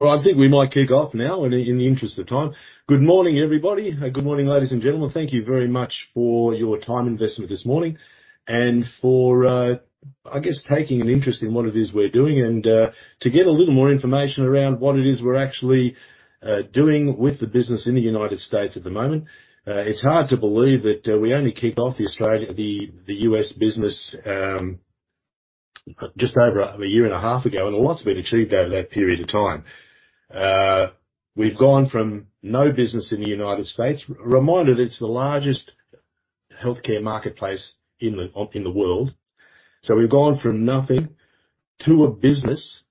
Well, I think we might kick off now in the interest of time. Good morning, everybody. Good morning, ladies and gentlemen. Thank you very much for your time investment this morning, and for I guess, taking an interest in what it is we're doing. To get a little more information around what it is we're actually doing with the business in the United States at the moment, it's hard to believe that we only kicked off the U.S. business just over a year and a half ago, and a lot's been achieved over that period of time. We've gone from no business in the United States. Reminder, that it's the largest healthcare marketplace in the world. We've gone from nothing to a business,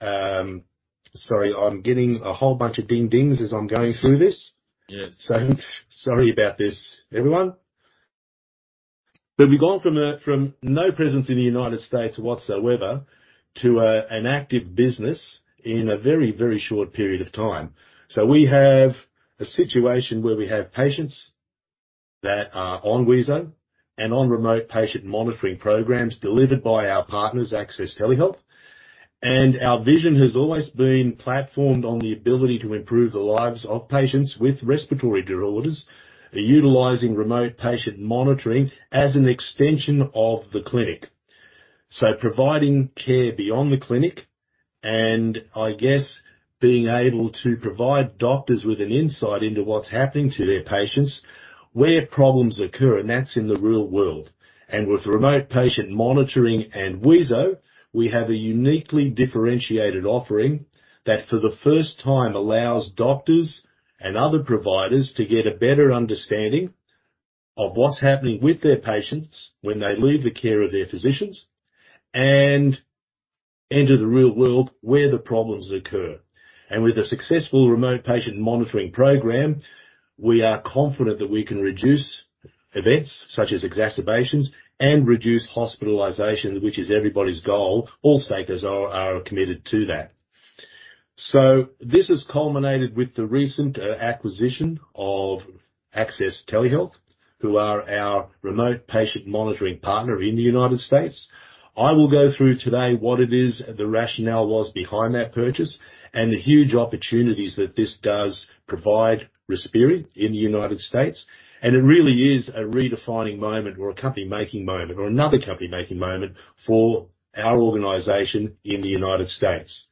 sorry, I'm getting a whole bunch of ding-dings as I'm going through this. Yes. Sorry about this, everyone. We've gone from no presence in the United States whatsoever to an active business in a very, very short period of time. We have a situation where we have patients that are on wheezo and on remote patient monitoring programs delivered by our partners, Access Telehealth. Our vision has always been platformed on the ability to improve the lives of patients with respiratory disorders, utilizing remote patient monitoring as an extension of the clinic. Providing care beyond the clinic and I guess, being able to provide doctors with an insight into what's happening to their patients, where problems occur, and that's in the real world. With remote patient monitoring and wheezo, we have a uniquely differentiated offering that for the first time allows doctors and other providers to get a better understanding of what's happening with their patients when they leave the care of their physicians, and enter the real world where the problems occur. With a successful remote patient monitoring program, we are confident that we can reduce events such as exacerbations and reduce hospitalizations, which is everybody's goal. All stakeholders are committed to that. This has culminated with the recent acquisition of Access Telehealth, who are our remote patient monitoring partner in the United States. I will go through today what it is, the rationale was behind that purchase, and the huge opportunities that this does provide Respiri in the United States. It really is a redefining moment, or a company-making moment or another company-making moment for our organization in the United States.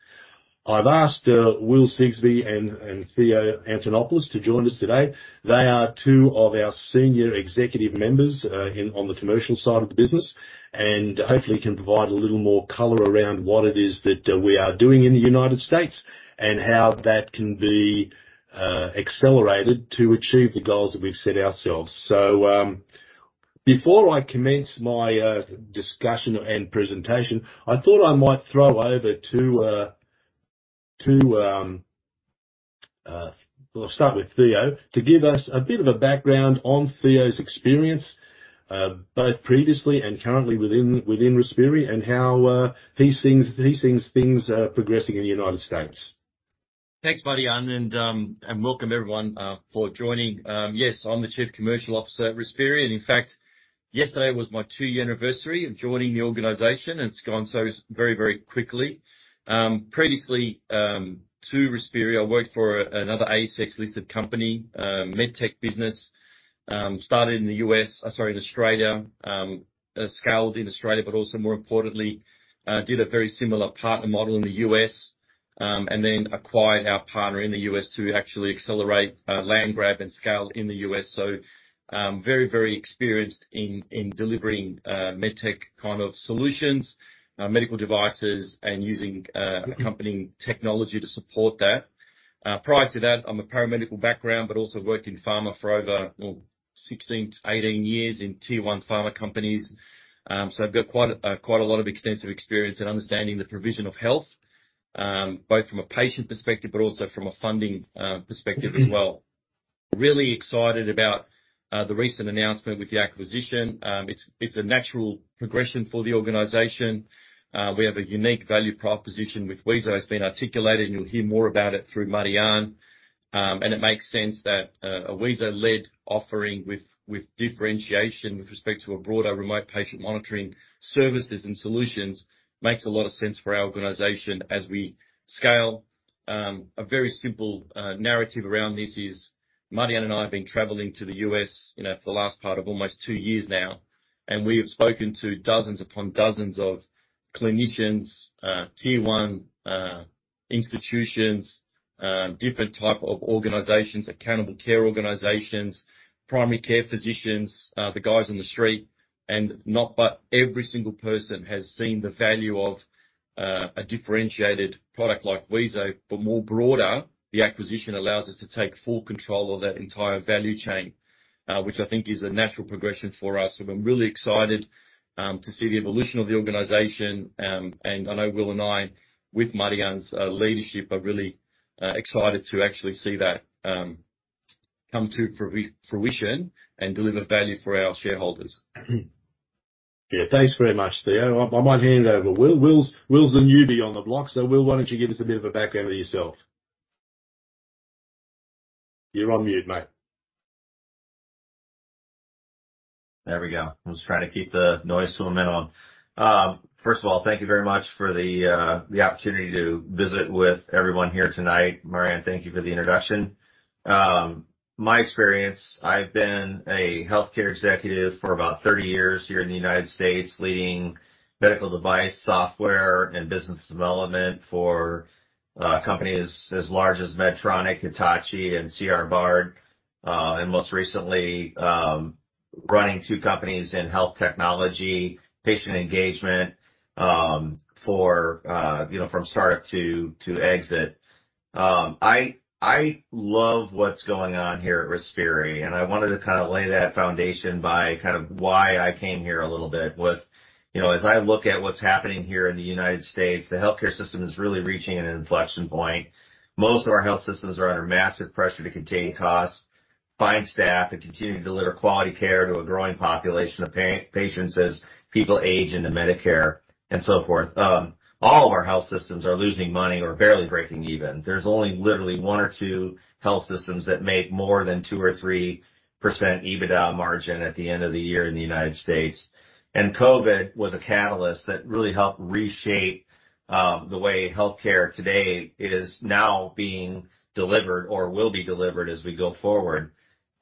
I've asked Will Sigsbee and Theo Antonopoulos to join us today. They are two of our senior executive members on the commercial side of the business, and hopefully can provide a little more color around what it is that we are doing in the United States, and how that can be accelerated to achieve the goals that we've set ourselves. Before I commence my discussion and presentation, I thought I might throw over to Theo, to give us a bit of a background on Theo's experience, both previously and currently within Respiri and how he sees things progressing in the United States. Thanks, Marjan, and welcome everyone for joining. Yes, I'm the Chief Commercial Officer at Respiri, in fact, yesterday was my two-year anniversary of joining the organization, it's gone so very quickly. Previously, to Respiri, I worked for another ASX-listed company, a med tech business. Started in Australia. Scaled in Australia, also more importantly, did a very similar partner model in the U.S. Acquired our partner in the U.S. to actually accelerate land grab and scale in the U.S. Very experienced in delivering med tech kind of solutions, medical devices, and using accompanying technology to support that. Prior to that, I'm a paramedical background, but also worked in pharma for over, well, 16-18 years in tier 1 pharma companies. I've got quite a, quite a lot of extensive experience in understanding the provision of health, both from a patient perspective, but also from a funding perspective as well. Really excited about the recent announcement with the acquisition. It's a natural progression for the organization. We have a unique value proposition with wheezo. It's been articulated, and you'll hear more about it through Marjan. It makes sense that a wheezo-led offering with differentiation with respect to a broader remote patient monitoring services and solutions, makes a lot of sense for our organization as we scale. A very simple narrative around this is, Marjan and I have been traveling to the U.S., you know, for the last part of almost two years now, we have spoken to dozens upon dozens of clinicians, tier 1 institutions, different type of organizations, Accountable Care Organizations, primary care physicians, the guys on the street., but every single person has seen the value of a differentiated product like wheezo. More broader, the acquisition allows us to take full control of that entire value chain, which I think is a natural progression for us. I'm really excited to see the evolution of the organization. I know Will and I, with Marjan's leadership, are really excited to actually see that come to fruition and deliver value for our shareholders. Yeah. Thanks very much, Theo. I might hand it over to Will. Will's the newbie on the block. Will, why don't you give us a bit of a background of yourself? You're on mute, mate. There we go. I'm just trying to keep the noise to a minimum. First of all, thank you very much for the opportunity to visit with everyone here tonight. Marjan, thank you for the introduction. My experience, I've been a healthcare executive for about 30 years here in the United States, leading medical device software and business development for companies as large as Medtronic, Hitachi, and C. R. Bard. Most recently, running two companies in health technology, patient engagement, from startup to exit. I love what's going on here at Respiri, and I wanted to kind of lay that foundation by kind of why I came here a little bit. You know, as I look at what's happening here in the United States, the healthcare system is really reaching an inflection point. Most of our health systems are under massive pressure to contain costs, find staff, and continue to deliver quality care to a growing population of patients as people age into Medicare and so forth. All of our health systems are losing money or barely breaking even. There's only literally one or two health systems that make more than 2% or 3% EBITDA margin at the end of the year in the United States. COVID was a catalyst that really helped reshape the way healthcare today, is now being delivered or will be delivered as we go forward.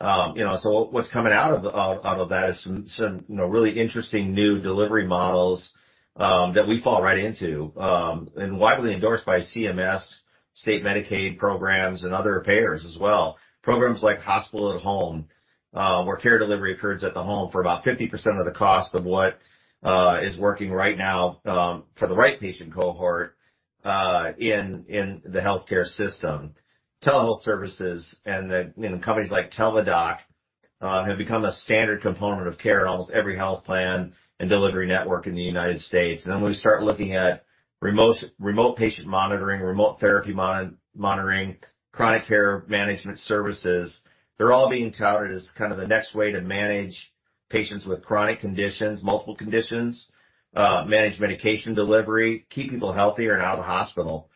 You know, what's coming out of that is some, you know, really interesting new delivery models that we fall right into. Widely endorsed by CMS, state Medicaid programs and other payers as well. Programs like Hospital at Home, where care delivery occurs at the home for about 50% of the cost of what is working right now, for the right patient cohort, in the healthcare system. Telehealth services and the, you know, companies like Teladoc, have become a standard component of care in almost every health plan and delivery network in the United States. We start looking at remote patent monitoring, remote therapy monitoring, chronic care management services. They're all being touted as kind of the next way to manage patients with chronic conditions, multiple conditions, manage medication delivery, keep people healthier and out of the hospital.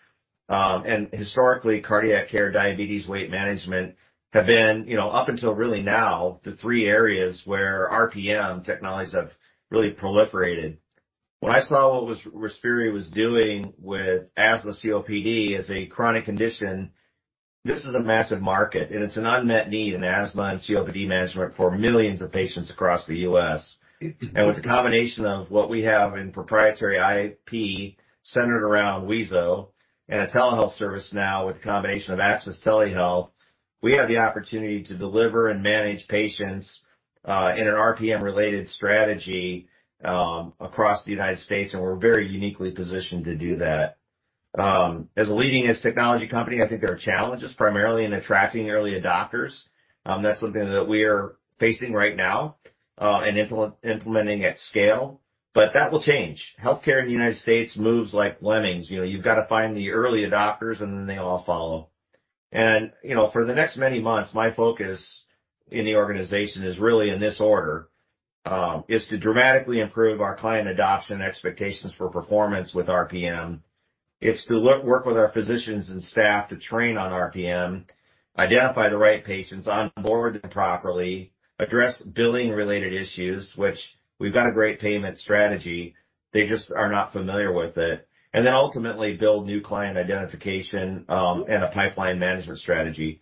Historically, cardiac care, diabetes, weight management, have been, you know, up until really now, the three areas where RPM Technologies have really proliferated. When I saw what Respiri was doing with asthma, COPD as a chronic condition, this is a massive market. It's an unmet need in asthma and COPD management for millions of patients across the U.S. With the combination of what we have in proprietary IP centered around wheezo, and a telehealth service now with the combination of Access Telehealth, we have the opportunity to deliver and manage patients in an RPM-related strategy across the United States. We're very uniquely positioned to do that. As a leading-edge technology company, I think there are challenges, primarily in attracting early adopters. That's something that we are facing right now and implementing at scale. That will change. Healthcare in the United States moves like lemmings. You know, you've got to find the early adopters. Then they all follow. You know, for the next many months, my focus in the organization is really in this order, is to dramatically improve our client adoption expectations for performance with RPM. It's to work with our physicians and staff to train on RPM, identify the right patients, onboard them properly, address billing-related issues, which we've got a great payment strategy, they just are not familiar with it, and then ultimately build new client identification, and a pipeline management strategy.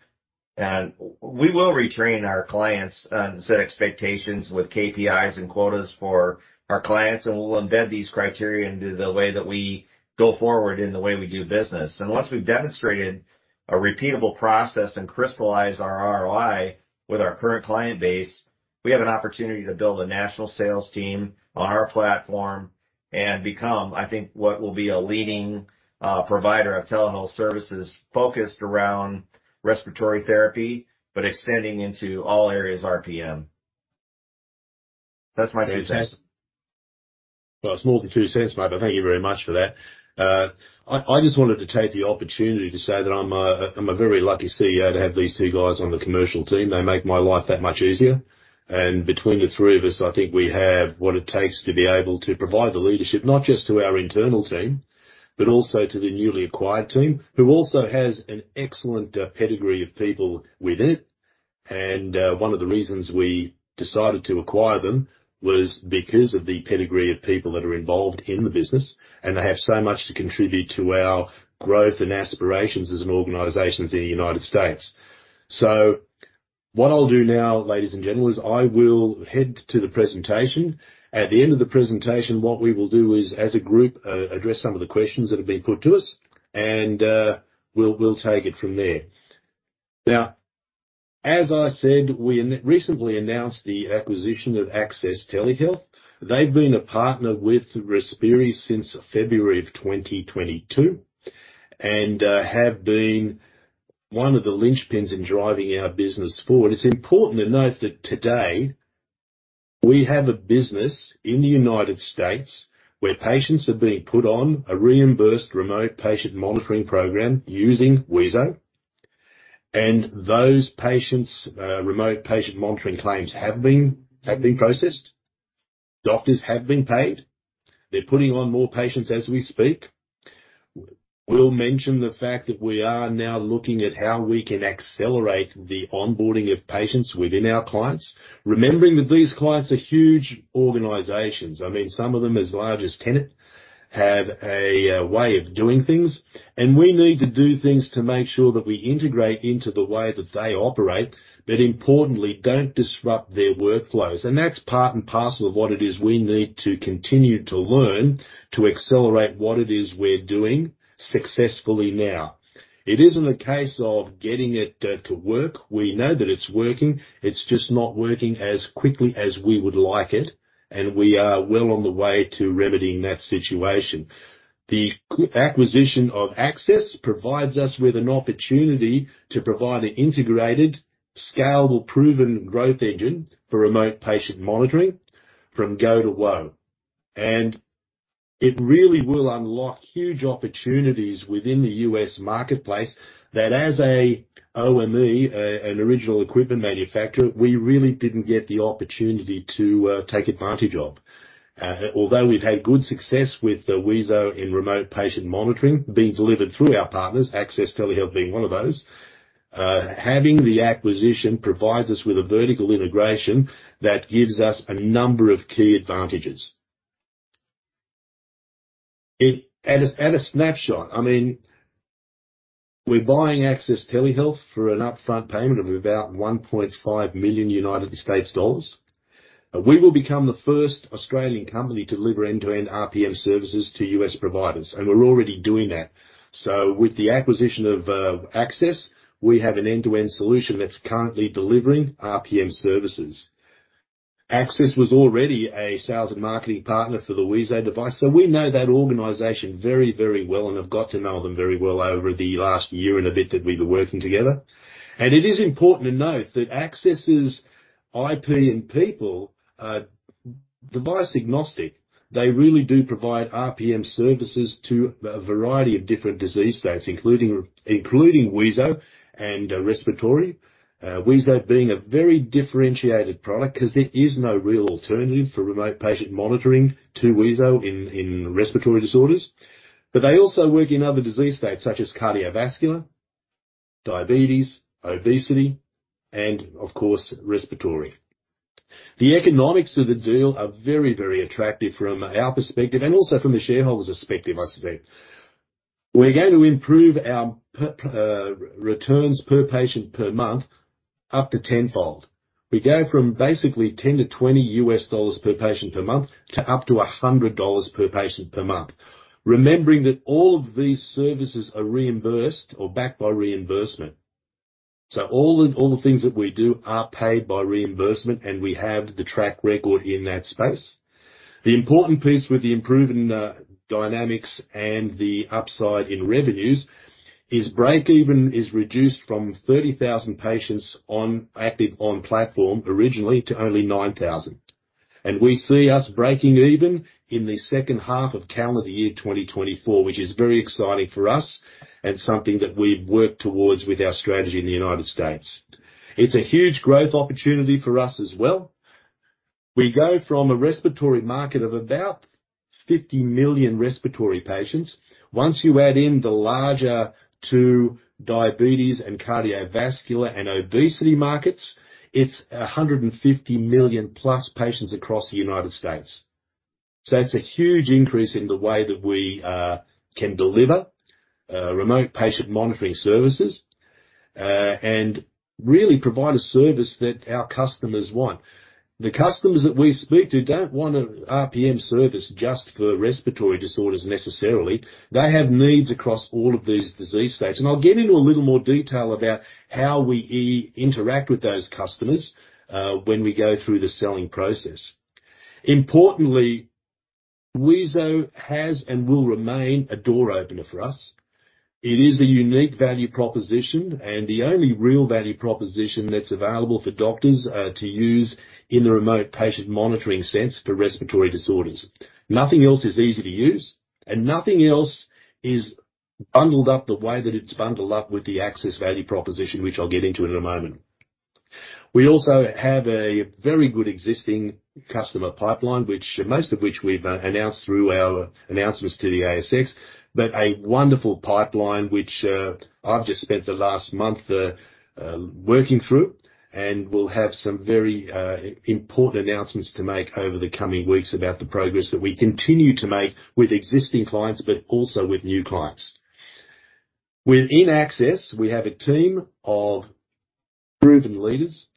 We will retrain our clients and set expectations with KPIs and quotas for our clients, and we'll embed these criteria into the way that we go forward in the way we do business. Once we've demonstrated a repeatable process and crystallized our ROI with our current client base, we have an opportunity to build a national sales team on our platform and become, I think what will be a leading provider of telehealth services focused around respiratory therapy, but extending into all areas of RPM. That's my two cents. Well, it's more than two cents, mate. Thank you very much for that. I just wanted to take the opportunity to say that I'm a very lucky CEO to have these two guys on the commercial team. They make my life that much easier. Between the three of us, I think we have what it takes to be able to provide the leadership, not just to our internal team, but also to the newly acquired team, who also has an excellent pedigree of people with it. One of the reasons we decided to acquire them was because of the pedigree of people that are involved in the business, and they have so much to contribute to our growth and aspirations as an organization in the United States. What I'll do now, ladies and gentlemen, is I will head to the presentation. At the end of the presentation, what we will do is, as a group, address some of the questions that have been put to us, and we'll take it from there. Now, as I said, we recently announced the acquisition of Access Telehealth. They've been a partner with Respiri since February of 2022, and have been one of the linchpins in driving our business forward. It's important to note that today, we have a business in the United States where patients are being put on a reimbursed remote patient monitoring program using wheezo, and those patients, remote patient monitoring claims have been processed. Doctors have been paid. They're putting on more patients as we speak. We'll mention the fact that we are now looking at how we can accelerate the onboarding of patients within our clients, remembering that these clients are huge organizations. I mean, some of them, as large as Tenet, have a way of doing things, and we need to do things to make sure that we integrate into the way that they operate, but importantly, don't disrupt their workflows. That's part and parcel of what it is we need to continue to learn, to accelerate what it is we're doing successfully now. It isn't a case of getting it to work. We know that it's working. It's just not working as quickly as we would like it, and we are well on the way to remedying that situation. The acquisition of Access provides us with an opportunity to provide an integrated, scalable, proven growth engine for remote patient monitoring from go to whoa. It really will unlock huge opportunities within the U.S. marketplace, that as an OEM, an Original Equipment Manufacturer, we really didn't get the opportunity to take advantage of. Although we've had good success with the wheezo in remote patient monitoring being delivered through our partners, Access Telehealth being one of those, having the acquisition provides us with a vertical integration that gives us a number of key advantages. At a snapshot, I mean, we're buying Access Telehealth for an upfront payment of about $1.5 million. We will become the first Australian company to deliver end-to-end RPM services to U.S. providers, and we're already doing that. With the acquisition of Access, we have an end-to-end solution that's currently delivering RPM services. Access was already a sales and marketing partner for the wheezo device, so we know that organization very, very well and have got to know them very well over the last year, and a bit that we've been working together. It is important to note that Access's IP and people are device-agnostic. They really do provide RPM services to a variety of different disease states, including wheezo and respiratory, wheezo being a very differentiated product because there is no real alternative for remote patient monitoring to wheezo in respiratory disorders. They also work in other disease states, such as cardiovascular, diabetes, obesity, and of course, respiratory. The economics of the deal are very, very attractive from our perspective, and also from the shareholders' perspective, I suspect. We're going to improve our per returns per patient per month up to tenfold. We go from basically $10-$20 per patient per month to up to $100 per patient per month, remembering that all of these services are reimbursed or backed by reimbursement. All the things that we do are paid by reimbursement, and we have the track record in that space. The important piece with the improving dynamics and the upside in revenues is break even is reduced from 30,000 patients active on platform originally to only 9,000. We see us breaking even in the second half of calendar year 2024, which is very exciting for us and something that we've worked towards with our strategy in the United States. It's a huge growth opportunity for us as well. We go from a respiratory market of about $50 million respiratory patients. Once you add in the larger to diabetes, and cardiovascular and obesity markets, it's $150 million+ patients across the United States. It's a huge increase in the way that we can deliver remote patient monitoring services, and really provide a service that our customers want. The customers that we speak to don't want an RPM service just for respiratory disorders necessarily. They have needs across all of these disease states, and I'll get into a little more detail about how we interact with those customers when we go through the selling process. Importantly, wheezo has and will remain a door opener for us. It is a unique value proposition, and the only real value proposition that's available for doctors to use in the remote patient monitoring sense for respiratory disorders. Nothing else is easy to use, and nothing else is bundled up the way that it's bundled up with the Access value proposition, which I'll get into in a moment. We also have a very good existing customer pipeline, most of which we've announced through our announcements to the ASX, but a wonderful pipeline, which I've just spent the last month working through. We'll have some very important announcements to make over the coming weeks about the progress that we continue to make with existing clients, but also with new clients. Within Access, we have a team of proven leaders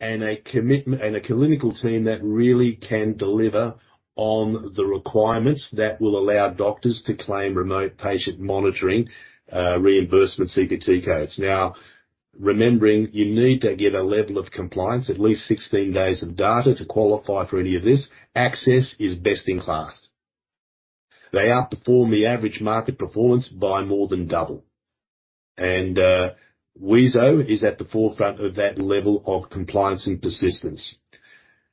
and a clinical team that really can deliver on the requirements that will allow doctors to claim remote patient monitoring reimbursement CPT codes. Remembering, you need to get a level of compliance, at least 16 days of data to qualify for any of this. Access is best in class. They outperform the average market performance by more than double, and wheezo is at the forefront of that level of compliance and persistence.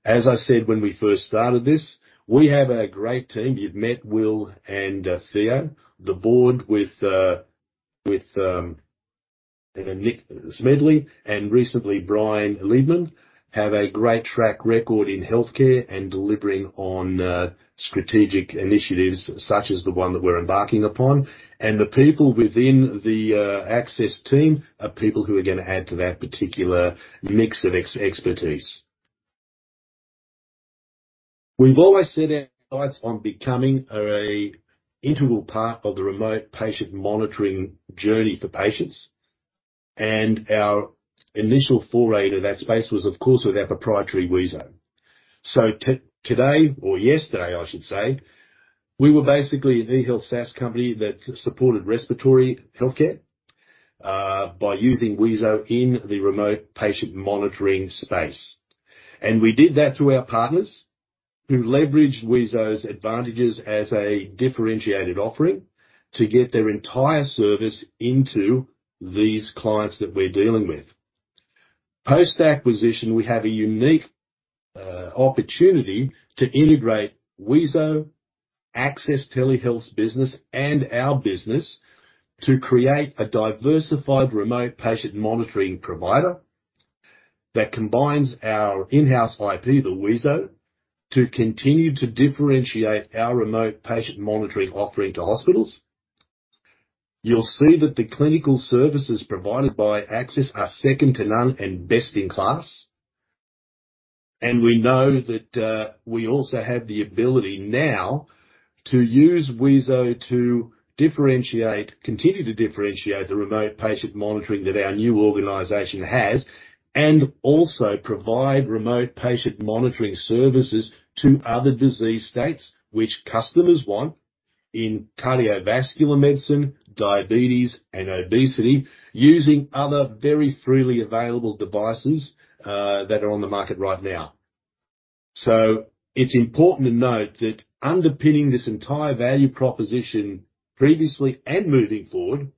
As I said when we first started this, we have a great team. You've met Will and Theo, the board with Nick Smedley and recently Brian Leedman, have a great track record in healthcare and delivering on strategic initiatives such as the one that we're embarking upon. The people within the Access team are people who are going to add to that particular mix of expertise. We've always set our eyes on becoming a integral part of the remote patient monitoring journey for patients, and our initial foray into that space was of course with our proprietary wheezo. Today, or yesterday, I should say, we were basically an e-health SaaS company that supported respiratory healthcare by using Wheezo in the remote patient monitoring space. We did that through our partners, who leveraged wheezo's advantages as a differentiated offering, to get their entire service into these clients that we're dealing with. Post-acquisition, we have a unique opportunity to integrate wheezo, Access Telehealth's business, and our business, to create a diversified, remote patient monitoring provider, that combines our in-house IP, the wheezo, to continue to differentiate our remote patient monitoring offering to hospitals. You'll see that the clinical services provided by Access are second to none and best in class. We know that we also have the ability now to use wheezo to continue to differentiate the remote patient monitoring that our new organization has, and also provide remote patient monitoring services to other disease states, which customers want in cardiovascular medicine, diabetes, and obesity, using other very freely available devices that are on the market right now. It's important to note that underpinning this entire value proposition previously and moving forward,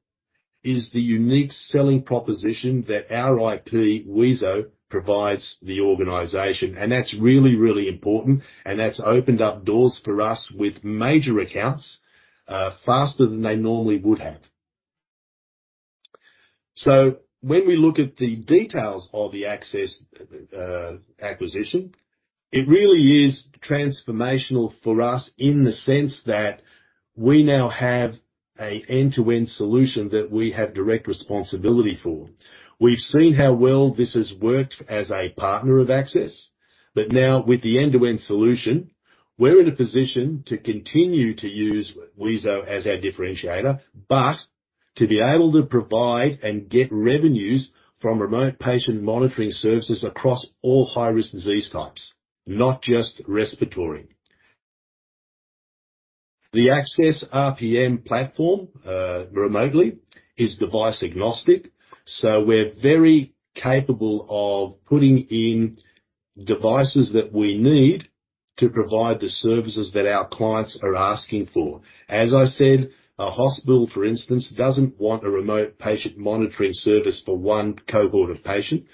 is the unique selling proposition that our IP, wheezo provides the organization. That's really important, and that's opened up doors for us with major accounts faster than they normally would have. When we look at the details of the Access Telehealth acquisition, it really is transformational for us in the sense that we now have a end-to-end solution that we have direct responsibility for. We've seen how well this has worked as a partner of Access, but now with the end-to-end solution, we're in a position to continue to use wheezo as our differentiator, but to be able to provide and get revenues from remote patient monitoring services across all high-risk disease types, not just respiratory. The Access RPM platform, remotely, is device agnostic, so we're very capable of putting in devices that we need to provide the services that our clients are asking for. As I said, a hospital, for instance, doesn't want a remote patient monitoring service for one cohort of patient.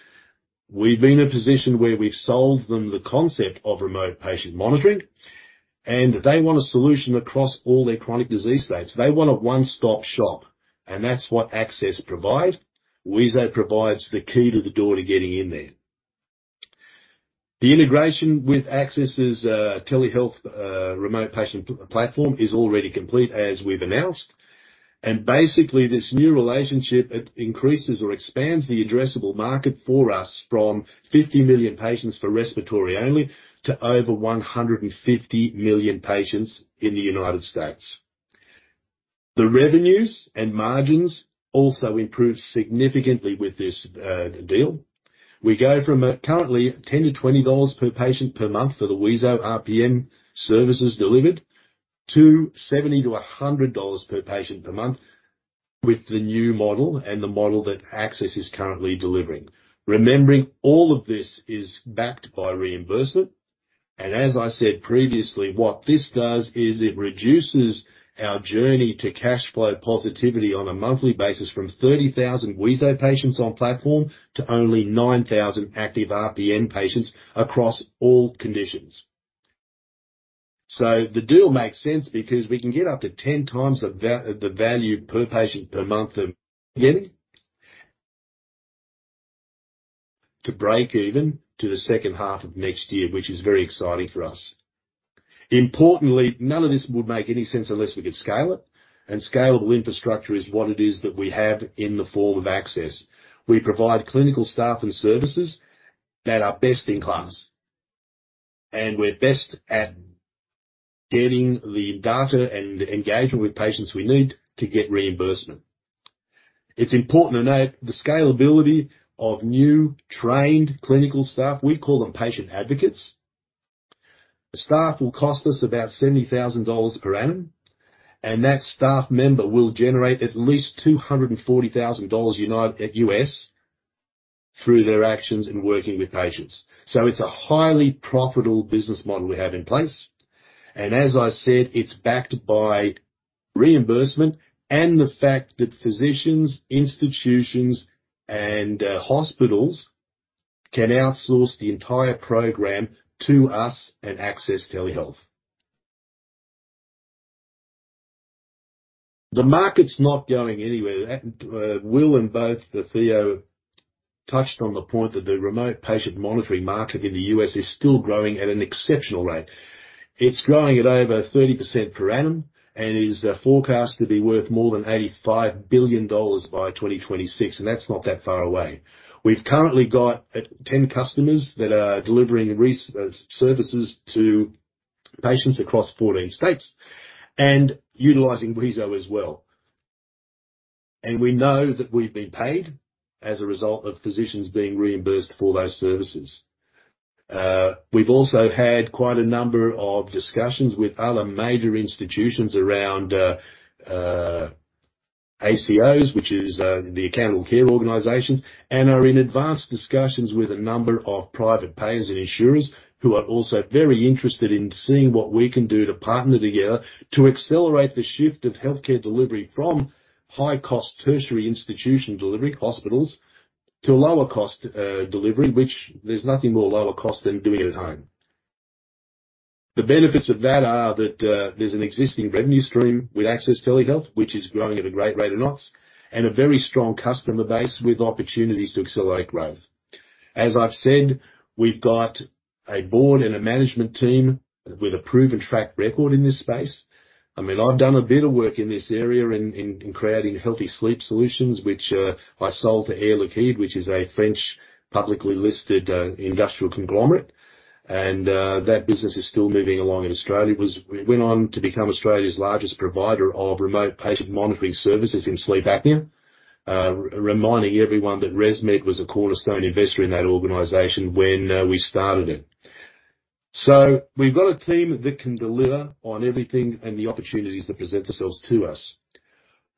We've been in a position where we've sold them the concept of remote patient monitoring, and they want a solution across all their chronic disease states. They want a one-stop shop, and that's what Access provide. Wheezo provides the key to the door to getting in there. The integration with Access Telehealth remote patient platform is already complete, as we've announced. Basically, this new relationship, it increases or expands the addressable market for us, from 50 million patients for respiratory only to over 150 million patients in the United States. The revenues and margins also improve significantly with this deal. We go from currently $10-$20 per patient per month for the wheezo RPM services delivered, to $70-$100 per patient per month with the new model and the model that Access is currently delivering. Remembering, all of this is backed by reimbursement. As I said previously, what this does is it reduces our journey to cash flow positivity on a monthly basis from 30,000 wheezo patients on platform, to only 9,000 active RPM patients across all conditions. The deal makes sense because we can get up to 10x the value per patient per month of getting to break even to the second half of next year, which is very exciting for us. Importantly, none of this would make any sense unless we could scale it, and scalable infrastructure is what it is that we have in the form of Access. We provide clinical staff and services that are best in class, and we're best at getting the data and engagement with patients we need to get reimbursement. It's important to note the scalability of new, trained, clinical staff, we call them patient advocates. The staff will cost us about $70,000 per annum, and that staff member will generate at least $240,000 U.S. through their actions in working with patients. It's a highly profitable business model we have in place, and as I said, it's backed by reimbursement and the fact that physicians, institutions, and hospitals can outsource the entire program to us and Access Telehealth. The market's not going anywhere. Will and both with Theo touched on the point that the remote patient monitoring market in the U.S. is still growing at an exceptional rate. It's growing at over 30% per annum and is forecast to be worth more than $85 billion by 2026, and that's not that far away. We've currently got 10 customers that are delivering services to patients across 14 states, and utilizing wheezo as well. We know that we've been paid as a result of physicians being reimbursed for those services. We've also had quite a number of discussions with other major institutions around ACOs, which is the Accountable Care Organizations, and are in advanced discussions with a number of private payers and insurers who are also very interested in seeing what we can do to partner together to accelerate the shift of healthcare delivery from high-cost tertiary institution delivery hospitals, to a lower cost delivery, which there's nothing more lower cost than doing it at home. The benefits of that are that there's an existing revenue stream with Access Telehealth, which is growing at a great rate of knots, and a very strong customer base with opportunities to accelerate growth. As I've said, we've got a board and a management team with a proven track record in this space. I mean, I've done a bit of work in this area in creating Healthy Sleep Solutions, which I sold to Air Liquide, which is a French publicly listed industrial conglomerate. That business is still moving along in Australia. It went on to become Australia's largest provider of remote patient monitoring services in sleep apnea. Reminding everyone that ResMed was a cornerstone investor in that organization when we started it. We've got a team that can deliver on everything and the opportunities that present themselves to us.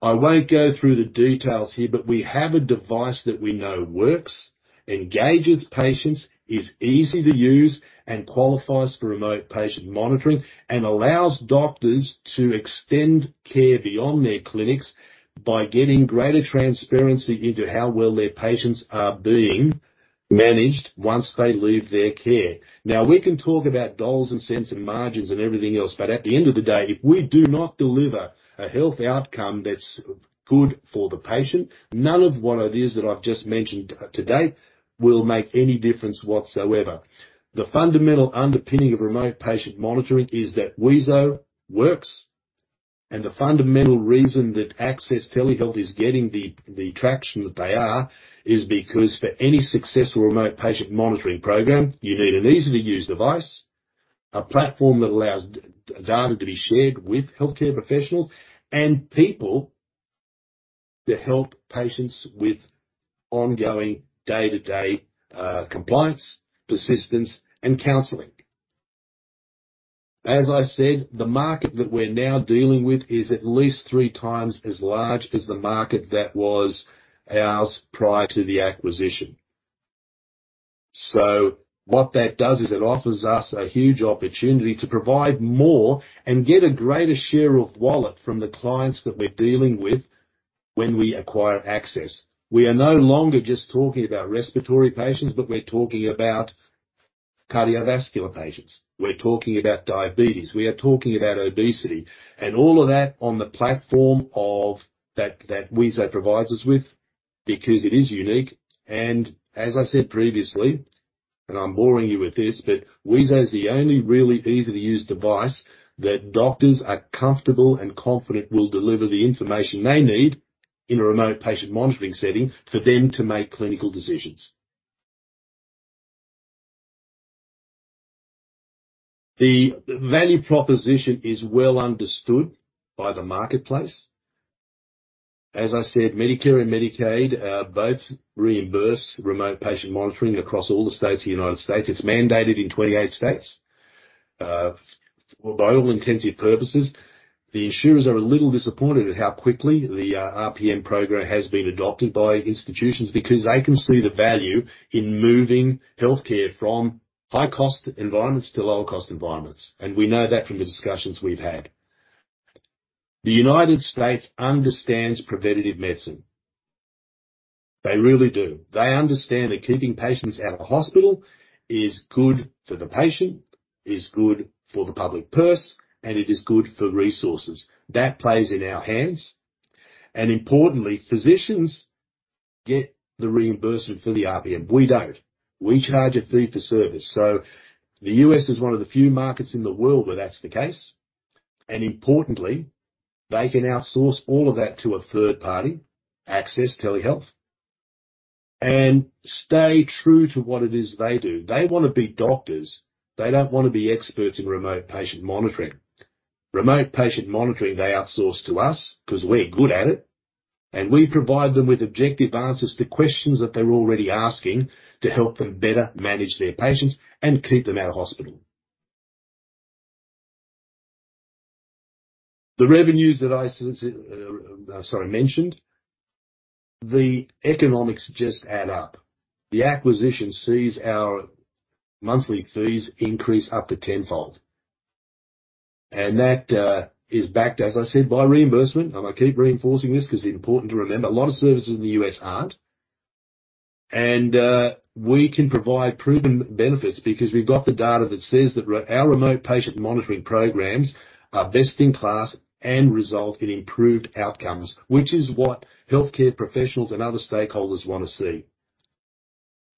I won't go through the details here, but we have a device that we know works, engages patients, is easy to use, and qualifies for remote patient monitoring, and allows doctors to extend care beyond their clinics by getting greater transparency into how well their patients are being managed once they leave their care. Now, we can talk about dollars and cents and margins and everything else, but at the end of the day, if we do not deliver a health outcome that's good for the patient, none of what it is that I've just mentioned to date will make any difference whatsoever. The fundamental underpinning of remote patient monitoring is that wheezo works. The fundamental reason that Access Telehealth is getting the traction that they are, is because for any successful remote patient monitoring program, you need an easy-to-use device, a platform that allows data to be shared with healthcare professionals and people to help patients with ongoing day-to-day compliance, persistence, and counseling. As I said, the market that we're now dealing with is at least 3x as large as the market that was ours prior to the acquisition. What that does is it offers us a huge opportunity to provide more, and get a greater share of wallet from the clients that we're dealing with when we acquire Access. We are no longer just talking about respiratory patients, but we're talking about cardiovascular patients, we're talking about diabetes, we are talking about obesity, and all of that on the platform that wheezo provides us with, because it is unique. As I said previously, I'm boring you with this, but wheezo is the only really easy-to-use device that doctors are comfortable, and confident will deliver the information they need in a remote patient monitoring setting for them to make clinical decisions. The value proposition is well understood by the marketplace. As I said, Medicare and Medicaid both reimburse remote patient monitoring across all the states of the United States. It's mandated in 28 states. For all intensive purposes, the insurers are a little disappointed at how quickly the RPM program has been adopted by institutions, because they can see the value in moving healthcare from high-cost environments to lower-cost environments, and we know that from the discussions we've had. The United States understands preventative medicine. They really do. They understand that keeping patients out of hospital is good for the patient, is good for the public purse and it is good for resources. That plays in our hands. Importantly, physicians get the reimbursement for the RPM. We don't. We charge a fee for service. The U.S. is one of the few markets in the world where that's the case, and importantly, they can outsource all of that to a third party, Access Telehealth and stay true to what it is they do. They want to be doctors. They don't want to be experts in remote patient monitoring. Remote patient monitoring, they outsource to us because we're good at it. We provide them with objective answers to questions that they're already asking to help them better manage their patients, and keep them out of hospital. The revenues that I mentioned, the economics just add up. The acquisition sees our monthly fees increase up to tenfold. That is backed, as I said, by reimbursement. I keep reinforcing this. We can provide proven benefits, because we've got the data that says that our remote patient monitoring programs are best in class and result in improved outcomes, which is what healthcare professionals and other stakeholders want to see.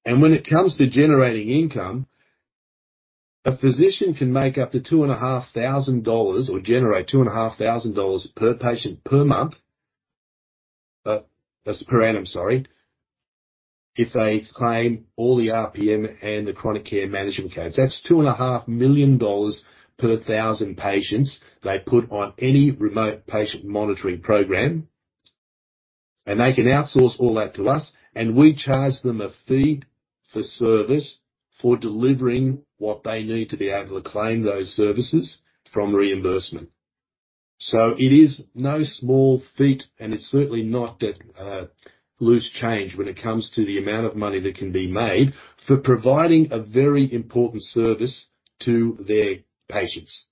When it comes to generating income, a physician can make up to $2,500 or generate two and &2,500 per patient per month. That's per annum, sorry. If they claim all the RPM and the chronic care management claims, that's $2,500,000 two and a half million dollars per 1,000 patients they put on any remote patient monitoring program. They can outsource all that to us. We charge them a fee for service, for delivering what they need to be able to claim those services from reimbursement. It is no small feat. It's certainly not at loose change when it comes to the amount of money that can be made for providing a very important service to their patients.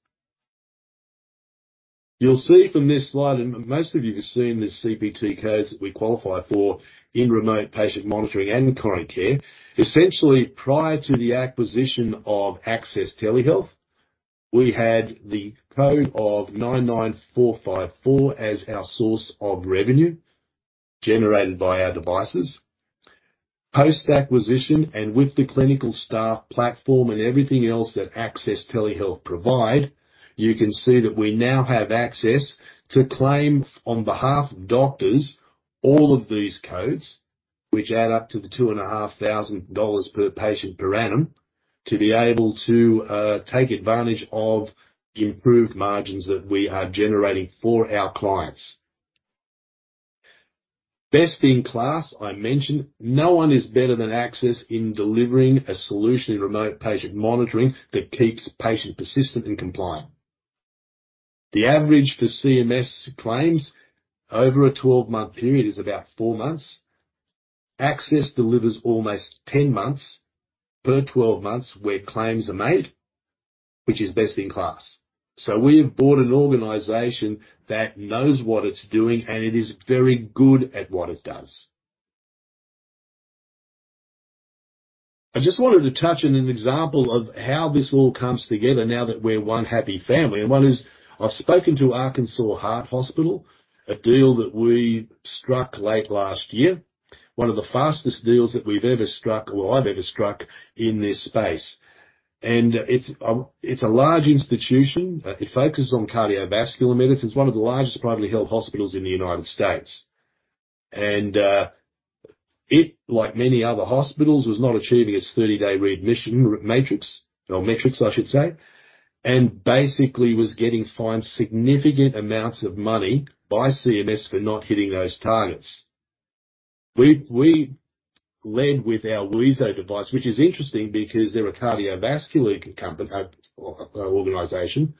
You'll see from this slide, and most of you can see in the CPT codes, that we qualify for in remote patient monitoring and chronic care. Essentially, prior to the acquisition of Access Telehealth, we had the code of 99454 as our source of revenue generated by our devices. Post-acquisition, with the clinical staff, platform, and everything else that Access Telehealth provide, you can see that we now have access to claim on behalf of doctors, all of these codes, which add up to the $2,500 dollars per patient per annum, to be able to take advantage of the improved margins that we are generating for our clients. Best in class, I mentioned, no one is better than Access in delivering a solution in remote patient monitoring that keeps patients persistent and compliant. The average for CMS claims over a 12-month period is about four months. Access Telehealth delivers almost 10 months per 12 months where claims are made, which is best in class. We've bought an organization that knows what it's doing, and it is very good at what it does. I just wanted to touch on an example of how this all comes together now that we're one happy family. One is, I've spoken to Arkansas Heart Hospital, a deal that we struck late last year, one of the fastest deals that we've ever struck or I've ever struck in this space. It's a large institution. It focuses on cardiovascular medicine. It's one of the largest privately held hospitals in the United States. It, like many other hospitals, was not achieving its 30-day readmission, matrix or metrics, I should say, and basically was getting fined significant amounts of money by CMS for not hitting those targets. We led with our wheezo device, which is interesting because they're a cardiovascular organization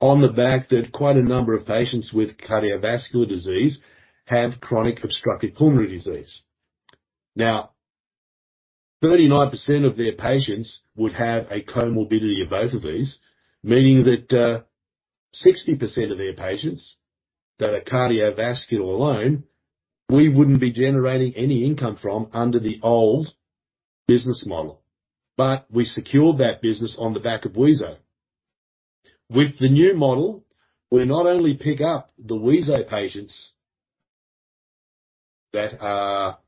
on the back that quite a number of patients, with cardiovascular disease have chronic obstructive pulmonary disease. 39% of their patients would have a comorbidity of both of these, meaning that 60% of their patients that are cardiovascular alone, we wouldn't be generating any income from under the old business model. We secured that business on the back of wheezo. With the new model, we not only pick up the wheezo patients that are,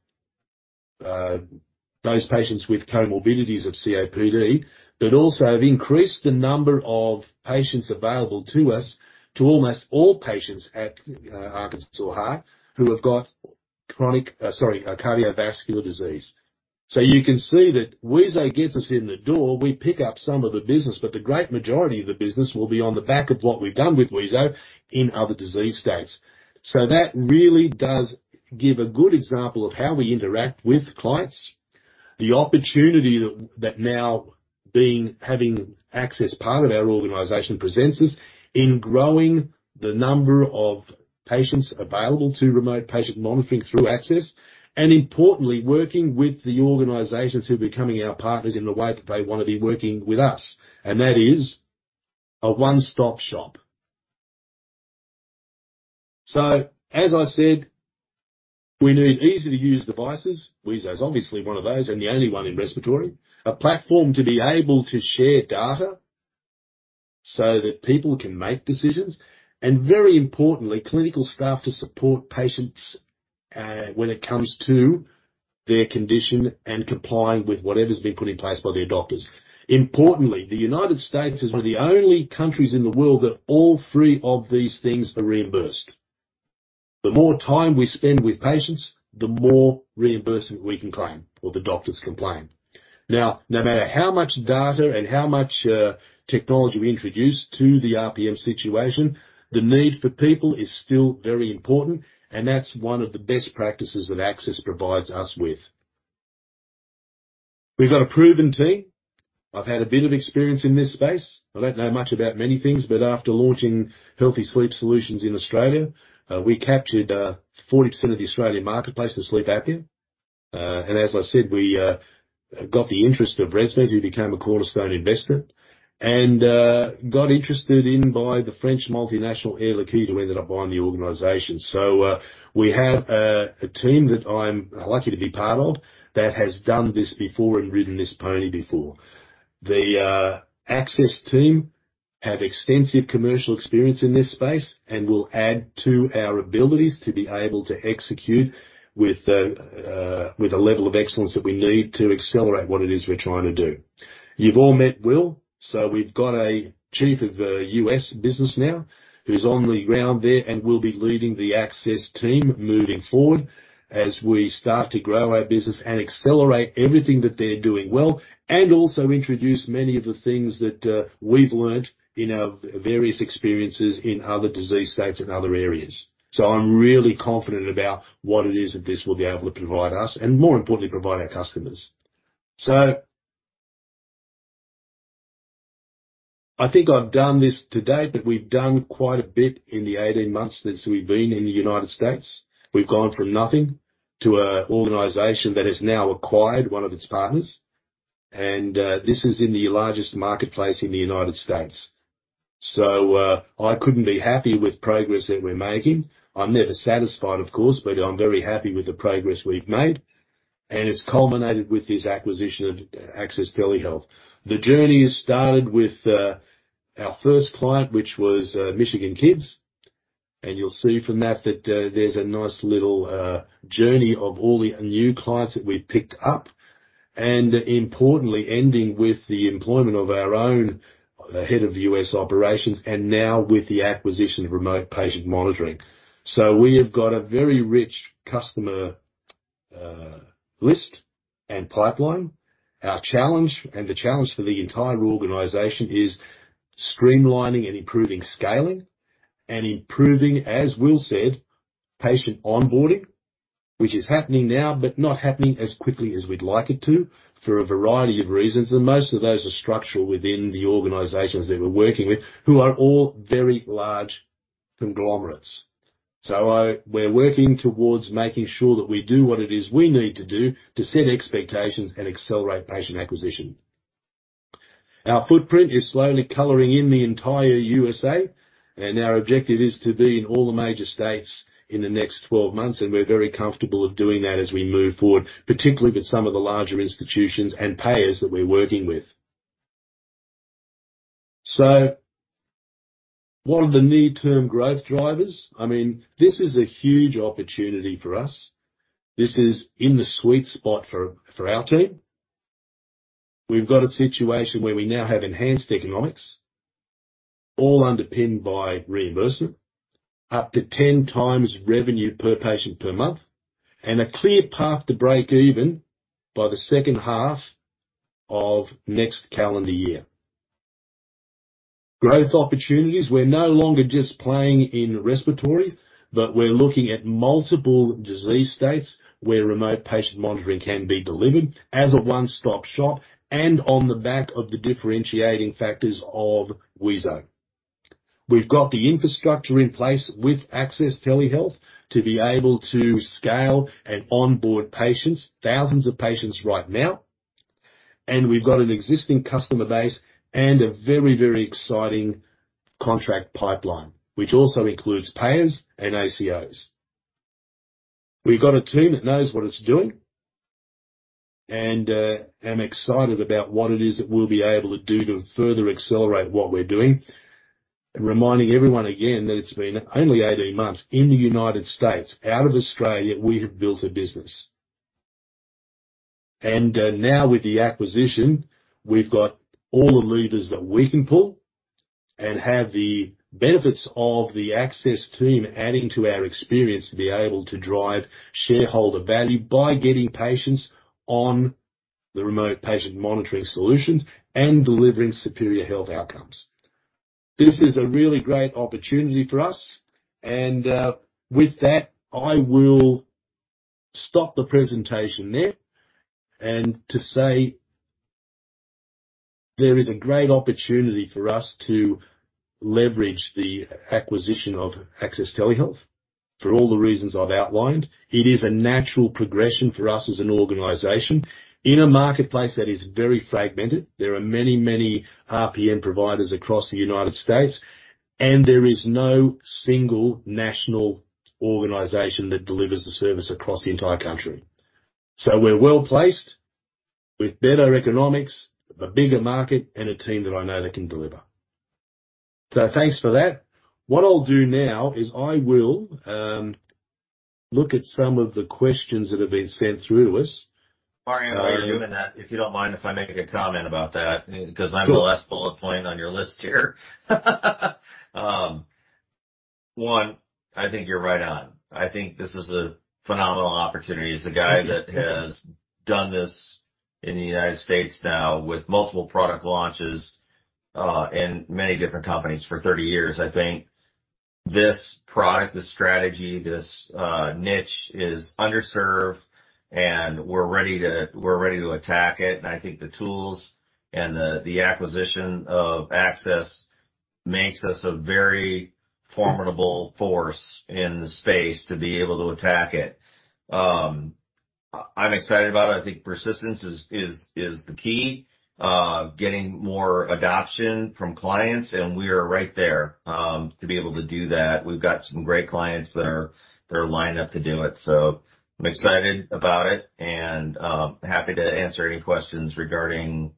those patients with comorbidities of COPD, but also have increased the number of patients available to us to almost all patients at Arkansas Heart, who have got chronic, sorry, cardiovascular disease. You can see that wheezo gets us in the door. We pick up some of the business, but the great majority of the business will be on the back of what we've done with wheezo in other disease states. That really does give a good example of how we interact with clients. The opportunity that now having Access Telehealth, part of our organization, presents us in growing the number of patients available to remote patient monitoring through Access Telehealth, importantly, working with the organizations who are becoming our partners in the way that they want to be working with us. That is a one-stop shop. As I said, we need easy-to-use devices. Wheezo is obviously one of those, and the only one in respiratory. A platform to be able to share data, so that people can make decision, and very importantly, clinical staff to support patients when it comes to their condition and complying with whatever's been put in place by their doctors. Importantly, the United States is one of the only countries in the world that all three of these things are reimbursed. The more time we spend with patients, the more reimbursement we can claim or the doctors can claim. No matter how much data and how much technology we introduce to the RPM situation, the need for people is still very important and that's one of the best practices that Access provides us with. We've got a proven team. I've had a bit of experience in this space. I don't know much about many things, after launching Healthy Sleep Solutions in Australia, we captured 40% of the Australian marketplace in sleep apnea. As I said, we got the interest of ResMed, who became a cornerstone investor, and got interested in by the French multinational, Air Liquide, who ended up buying the organization. We have a team that I'm lucky to be part of, that has done this before and ridden this pony before. Access team have extensive commercial experience in this space, and will add to our abilities to be able to execute with a level of excellence that we need to accelerate what it is we're trying to do. You've all met Will. We've got a chief of the U.S. business now, who's on the ground there and will be leading the Access team moving forward, as we start to grow our business, and accelerate everything that they're doing well, and also introduce many of the things that we've learned in our various experiences in other disease states and other areas. I'm really confident about what it is that this will be able to provide us, and more importantly, provide our customers. I think I've done this to date, but we've done quite a bit in the 18 months since we've been in the United States. We've gone from nothing to an organization that has now acquired one of its partners, and this is in the largest marketplace in the United States. I couldn't be happier with the progress that we're making. I'm never satisfied, of course, but I'm very happy with the progress we've made and it's culminated with this acquisition of Access Telehealth. The journey started with our first client, which was Michigan Kids. You'll see from that that there's a nice little journey of all the new clients that we've picked up, and importantly, ending with the employment of our own head of U.S. operations and now with the acquisition of remote patient monitoring. We have got a very rich customer list and pipeline. Our challenge, and the challenge for the entire organization, is streamlining and improving scaling, and improving, as Will said, patient onboarding, which is happening now, but not happening as quickly as we'd like it to, for a variety of reasons. Most of those are structural within the organizations that we're working with, who are all very large conglomerates. We're working towards making sure that we do what it is we need to do to set expectations, and accelerate patient acquisition. Our footprint is slowly coloring in the entire USA, and our objective is to be in all the major states in the next 12 months. We're very comfortable of doing that as we move forward, particularly with some of the larger institutions and payers that we're working with. What are the near-term growth drivers? I mean, this is a huge opportunity for us. This is in the sweet spot for our team. We've got a situation where we now have enhanced economics, all underpinned by reimbursement, up to 10x revenue per patient per month, and a clear path to break even by the second half of next calendar year. Growth opportunities. We're no longer just playing in respiratory, but we're looking at multiple disease states where remote patient monitoring can be delivered as a one-stop shop, and on the back of the differentiating factors of wheezo. We've got the infrastructure in place with Access Telehealth to be able to scale, and onboard patients, thousands of patients right now. We've got an existing customer base and a very, very exciting contract pipeline, which also includes payers and ACOs. We've got a team that knows what it's doing, and I'm excited about what it is that we'll be able to do to further accelerate what we're doing. Reminding everyone again, that it's been only 18 months in the United States, out of Australia, we have built a business. Now with the acquisition, we've got all the levers that we can pull and have the benefits of the Access team adding to our experience to be able to drive shareholder value by getting patients on the remote patient monitoring solutions, and delivering superior health outcomes. This is a really great opportunity for us. With that, I will stop the presentation there and to say, there is a great opportunity for us to leverage the acquisition of Access Telehealth for all the reasons I've outlined. It is a natural progression for us as an organization in a marketplace that is very fragmented. There are many RPM providers across the United States, and there is no single national organization that delivers the service across the entire country. We're well-placed with better economics, a bigger market, and a team that I know that can deliver. Thanks for that. What I'll do now is I will look at some of the questions that have been sent through to us. Sorry, while you're doing that, if you don't mind, if I make a comment about that. Sure. I'm the last bullet point on your list here. One, I think you're right on. I think this is a phenomenal opportunity. As a guy that has done this in the United States now with multiple product launches, and many different companies for 30 years, I think this product, this strategy, this niche is underserved, and we're ready to attack it. I think the tools and the acquisition of Access Telehealth makes us a very formidable force in the space to be able to attack it. I'm excited about it. I think persistence is the key, getting more adoption from clients, and we are right there to be able to do that. We've got some great clients that are lined up to do it. I'm excited about it and happy to answer any questions regarding,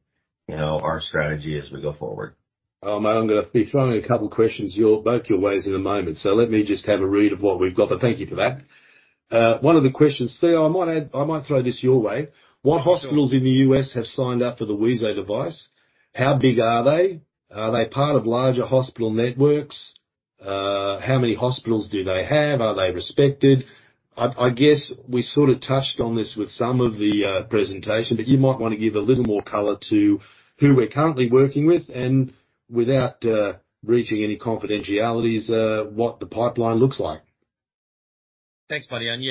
you know, our strategy as we go forward. I'm going to be throwing a couple questions both your ways in a moment, let me just have a read of what we've got. Thank you for that. One of the questions, Theo, I might add, I might throw this your way, what hospitals in the U.S. have signed up for the wheezo device? How big are they? Are they part of larger hospital networks? How many hospitals do they have? Are they respected? I guess we sort of touched on this with some of the presentation, you might want to give a little more color to who we're currently working with, and without breaching any confidentialities, what the pipeline looks like. Thanks, Marjan.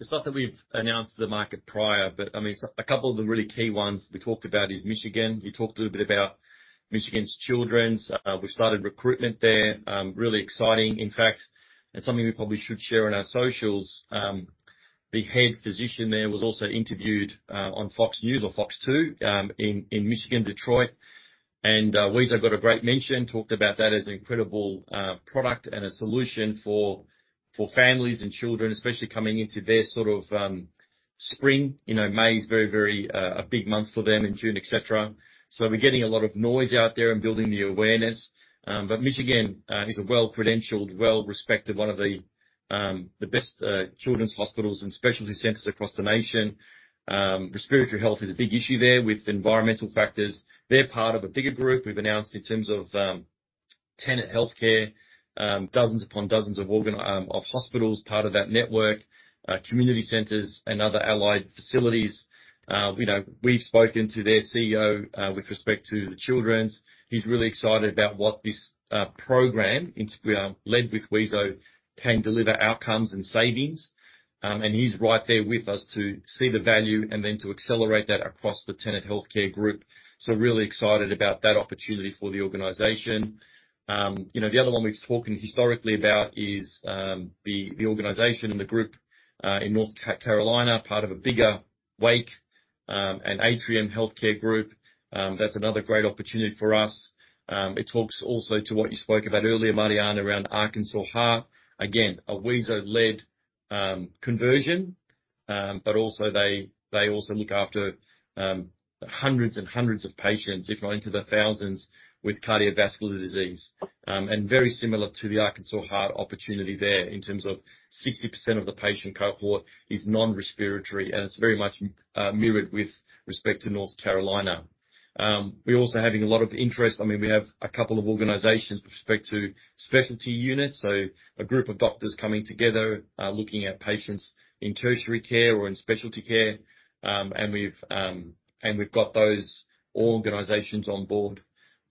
It's not that we've announced to the market prior, a couple of the really key ones we talked about is Michigan. We talked a little bit about Children's Hospital of Michigan. We started recruitment there. Really exciting in fact, and something we probably should share on our socials. The head physician there was also interviewed on Fox News or FOX 2 Detroit in Michigan, Detroit. Wheezo got a great mention, talked about that as an incredible product and a solution for families and children, especially coming into their sort of spring. You know, May is a very big month for them, and June, etc. We're getting a lot of noise out there and building the awareness. Michigan is a well-credentialed, well-respected, one of the best children's hospitals and specialty centers across the nation. Respiratory health is a big issue there with environmental factors. They're part of a bigger group. We've announced in terms of Tenet Healthcare, dozens upon dozens of hospitals, part of that network, community centers and other allied facilities. You know, we've spoken to their CEO with respect to the Children's. He's really excited about what this program into led with wheezo, can deliver outcomes and savings. He's right there with us to see the value and then to accelerate that across the Tenet Healthcare group. Really excited about that opportunity for the organization. You know, the other one we've spoken historically about is the organization and the group in North Carolina, part of a bigger Wake Forest Baptist and Atrium Health Group. That's another great opportunity for us. It talks also to what you spoke about earlier, Marjan, around Arkansas Heart. Again, a wheezo-led conversion, but also they also look after hundreds and hundreds of patients, if not into the thousands, with cardiovascular disease. Very similar to the Arkansas Heart opportunity there, in terms of 60% of the patient cohort is non-respiratory and it's very much mirrored with respect to North Carolina. We're also having a lot of interest. I mean, we have a couple of organizations with respect to specialty units, so a group of doctors coming together, looking at patients in tertiary care or in specialty care. We've got those organizations on board.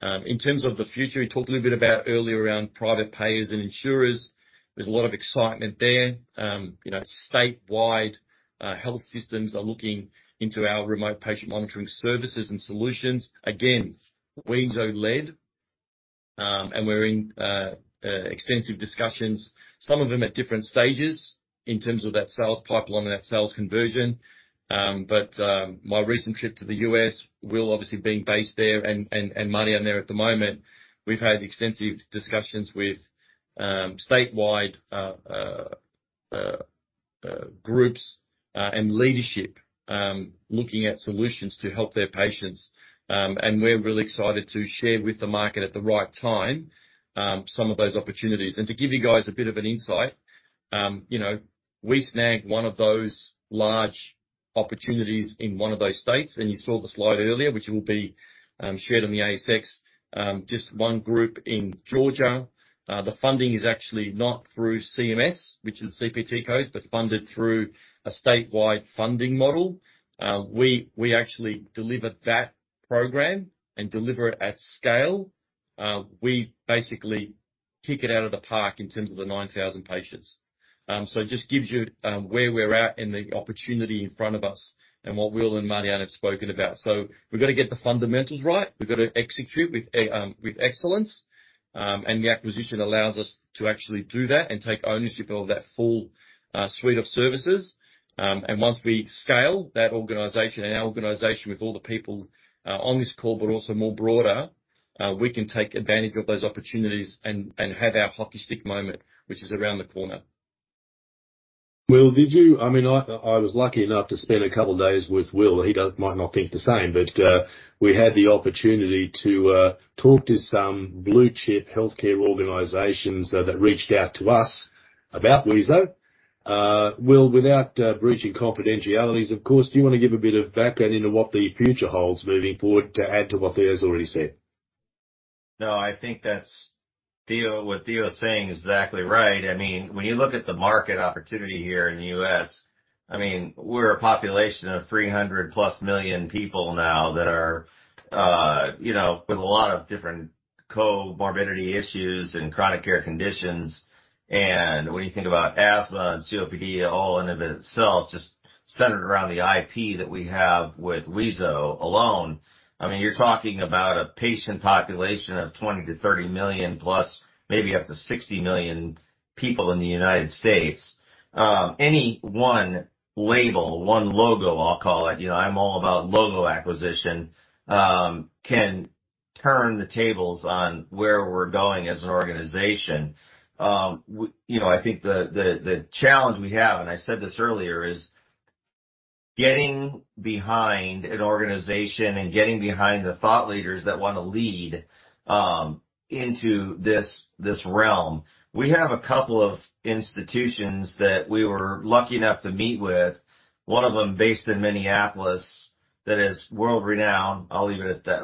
In terms of the future, we talked a little bit about earlier around private payers and insurers. There's a lot of excitement there. You know, statewide, health systems are looking into our remote patient monitoring services and solutions. Again, wheezo-led, and we're in extensive discussions, some of them at different stages in terms of that sales pipeline and that sales conversion. My recent trip to the U.S., Will obviously being based there and Marjan there at the moment, we've had extensive discussions with statewide groups and leadership looking at solutions to help their patients. We're really excited to share with the market at the right time some of those opportunities. To give you guys a bit of an insight, you know, we snagged one of those large opportunities in one of those states, and you saw the slide earlier, which will be shared on the ASX. Just one group in Georgia. The funding is actually not through CMS, which is CPT codes, but funded through a statewide funding model. We actually delivered that program and deliver it at scale. We basically kick it out of the park in terms of the 9,000 patients. It just gives you where we're at and the opportunity in froNt of us, and what Will and Marjan have spoken about. We've got to get the fundamentals right. We've got to execute with excellence, and the acquisition allows us to actually do that and take ownership of that full suite of services. Once we scale that organization and our organization with all the people on this call, but also more broader, we can take advantage of those opportunities and have our hockey stick moment, which is around the corner. Will, I mean, I was lucky enough to spend two days with Will. He does. Might not think the same. We had the opportunity to talk to some blue chip healthcare organizations that reached out to us about wheezo. Will, without breaching confidentialities, of course do you want to give a bit of background into what the future holds moving forward to add to what Theo's already said? No, I think that's Theo, what Theo is saying is exactly right. I mean, when you look at the market opportunity here in the U.S., I mean, we're a population of 300+ million people now that are, you know, with a lot of different comorbidity issues and chronic care conditions. When you think about asthma and COPD, all in of itself, just centered around the IP that we have with wheezo alone, I mean, you're talking about a patient population of 20-30 + million, maybe up to 60 million people in the United States. Any one label, one logo, I'll call it, you know, I'm all about logo acquisition, can turn the tables on where we're going as an organization. You know, I think the challenge we have, and I said this earlier, is getting behind an organization and getting behind the thought leaders that want to lead into this realm. We have a couple of institutions that we were lucky enough to meet with. One of them based in Minnesota, that is world-renowned. I'll leave it at that.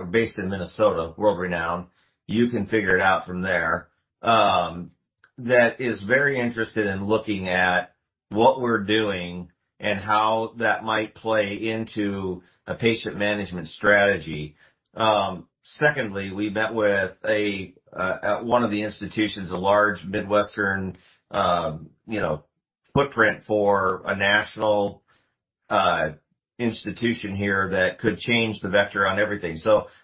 You can figure it out from there. That is very interested in looking at what we're doing, and how that might play into a patient management strategy. Secondly, we met with a, at one of the institutions, a large Midwestern, you know, footprint for a national institution here that could change the vector on everything.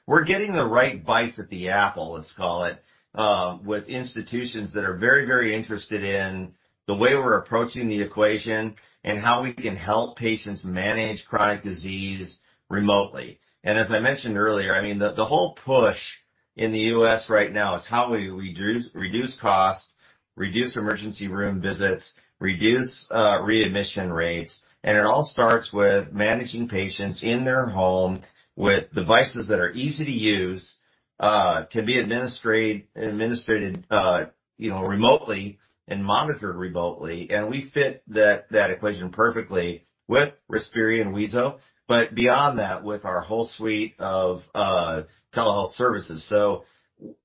We're getting the right bites at the apple, let's call it, with institutions that are very, very interested in the way we're approaching the equation, and how we can help patients manage chronic disease remotely. As I mentioned earlier, I mean, the whole push in the U.S. right now is how we reduce cost, reduce emergency room visits, reduce readmission rates. It all starts with managing patients in their home with devices that are easy to use, can be administrated, you know, remotely and monitored remotely. We fit that equation perfectly with Respiri and wheezo, but beyond that, with our whole suite of telehealth services.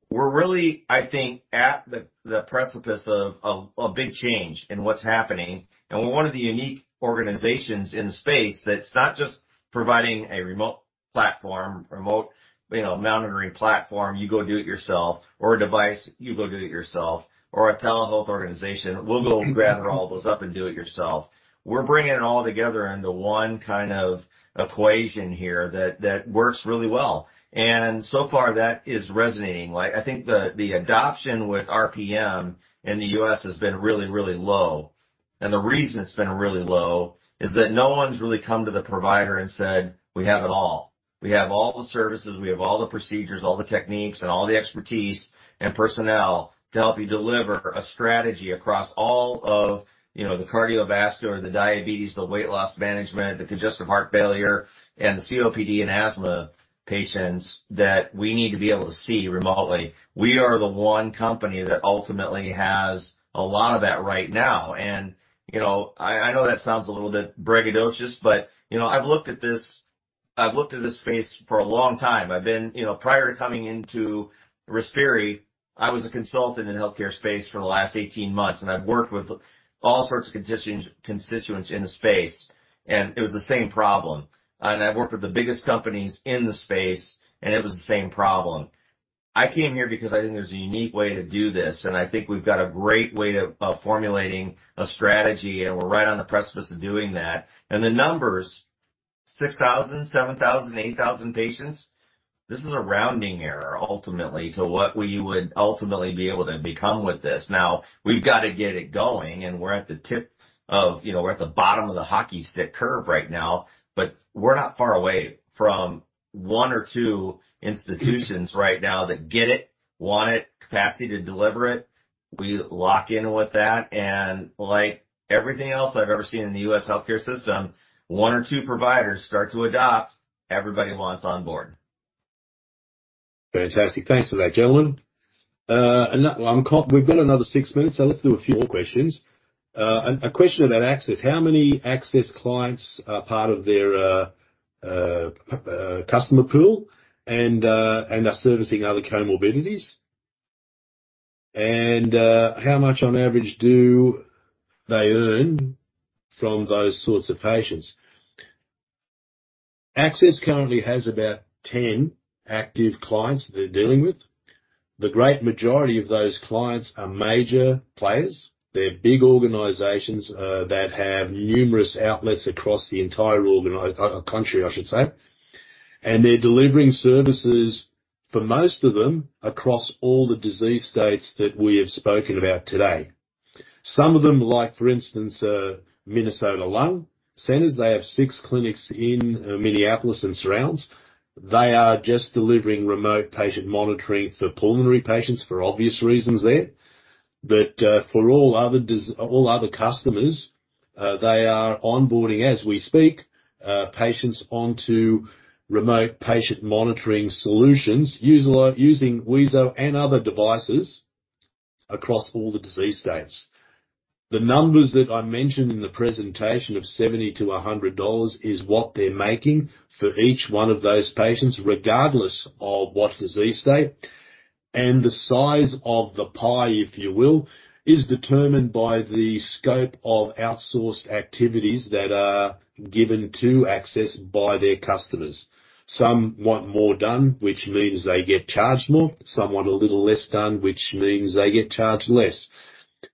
We're really, I think, at the precipice of big change in what's happening. We're one of the unique organizations in the space that's not just providing a remote platform, remote, you know, monitoring platform. You go do it yourself or a device, you go do it yourself, or a telehealth organization, we'll go gather all those up and do it yourself. We're bringing it all together into one kind of equation here that works really well. So far, that is resonating. I think the adoption with RPM in the U.S. has been really, really low. The reason it's been really low is that no one's really come to the provider, and said, "We have it all. We have all the services, we have all the procedures, all the techniques, and all the expertise and personnel to help you deliver a strategy across all of, you know, the cardiovascular, the diabetes, the weight loss management, the congestive heart failure, and the COPD and asthma patients that we need to be able to see remotely." We are the one company that ultimately has a lot of that right now. You know, I know that sounds a little bit braggadocious, but, you know, I've looked at this space for a long time. You know, prior to coming into Respiri, I was a consultant in the healthcare space for the last 18 months and I've worked with all sorts of constituents in the space, and it was the same problem. I've worked with the biggest companies in the space, and it was the same problem. I came here because I think there's a unique way to do this, and I think we've got a great way of formulating a strategy and we're right on the precipice of doing that. The numbers 6,000, 7,000, 8,000 patients, this is a rounding error ultimately, to what we would ultimately be able to become with this. Now, we've got to get it going, and we're at the bottom of the hockey stick curve right now, but we're not far away from one or two institutions right now that get it, want it, capacity to deliver it. We lock in with that. Like everything else I've ever seen in the U.S. healthcare system, one or two providers start to adopt, everybody wants on board. Fantastic. Thanks for that, gentlemen. Now, we've got another six minutes, so let's do a few more questions. A question about Access, how many Access clients are part of their customer pool and are servicing other comorbidities? How much on average do they earn from those sorts of patients? Access currently has about 10 active clients they're dealing with. The great majority of those clients are major players. They're big organizations that have numerous outlets across the entire country, I should say. They're delivering services for most of them, across all the disease states that we have spoken about today. Some of them, like for instance, Minnesota Lung Center, they have six clinics in Minneapolis and surrounds, they are just delivering remote patient monitoring for pulmonary patients, for obvious reasons there. For all other customers, they are onboarding, as we speak, patients onto remote patient monitoring solutions, using wheezo and other devices across all the disease states. The numbers that I mentioned in the presentation of $70-$100 is what they're making for each one of those patients, regardless of what disease state. The size of the pie, if you will, is determined by the scope of outsourced activities that are given to Access by their customers. Some want more done, which means they get charged more. Some want a little less done, which means they get charged less.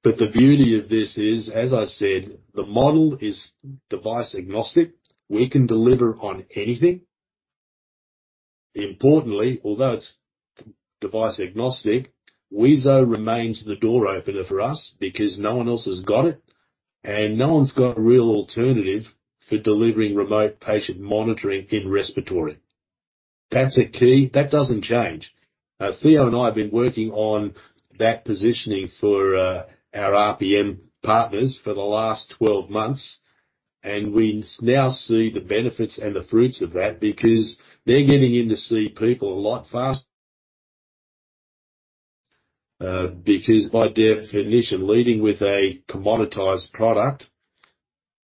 The beauty of this is, as I said, the model is device agnostic. We can deliver on anything. Importantly, although it's device agnostic, wheezo remains the door opener for us because no one else has got it, and no one's got a real alternative for delivering remote patient monitoring in respiratory. That's a key. That doesn't change. Theo and I have been working on that positioning for our RPM partners for the last 12 months, and we now see the benefits and the fruits of that because they're getting in to see people a lot faster. Because by definition, leading with a commoditized product,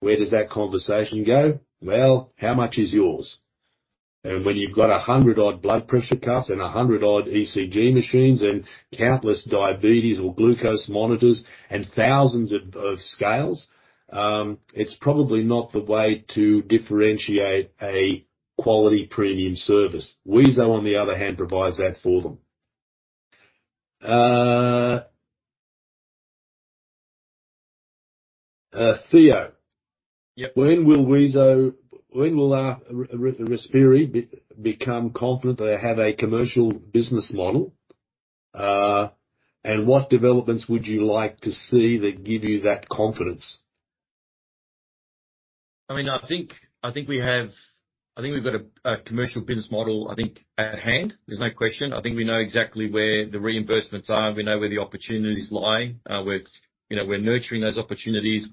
where does that conversation go? "Well, how much is yours?" When you've got 100 odd blood pressure cuffs and 100 odd ECG machines, and countless diabetes or glucose monitors and thousands of scales, it's probably not the way to differentiate a quality premium service. Wheezo on the other hand, provides that for them. Theo? Yep. When will Respiri become confident they have a commercial business model? What developments would you like to see that give you that confidence? I mean, I think we've got a commercial business model I think at hand. There's no question. I think we know exactly where the reimbursements are, and we know where the opportunities lie. You know, we're nurturing those opportunities.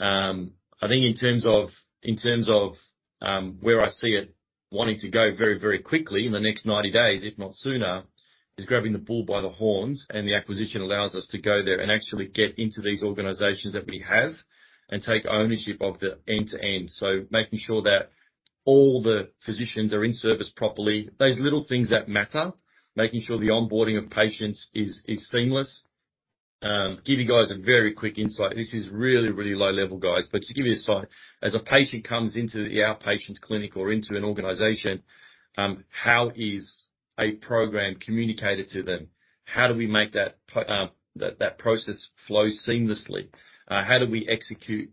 I think in terms of where I see it wanting to go very, very quickly in the next 90 days, if not sooner, is grabbing the bull by the horns. The acquisition allows us to go there, and actually get into these organizations that we have and take ownership of the end-to-end. Making sure that all the physicians are in service properly, those little things that matter. Making sure the onboarding of patients is seamless. Give you guys a very quick insight. This is really, really low level, guys, to give you insight, as a patient comes into the outpatient clinic or into an organization, how is a program communicated to them? How do we make that process flow seamlessly? How do we execute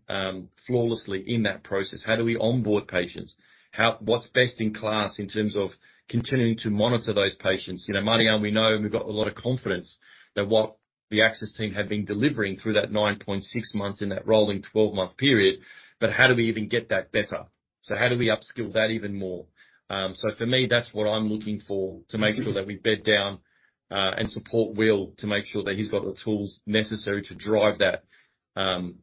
flawlessly in that process? How do we onboard patients? What's best in class in terms of continuing to monitor those patients? You know, Marjan, we know and we've got a lot of confidence that what the Access team have been delivering through that 9.6 months in that rolling 12-month period. How do we even get that better? How do we upskill that even more? For me, that's what I'm looking for, to make sure that we bed down, and support Will, to make sure that he's got the tools necessary to drive that,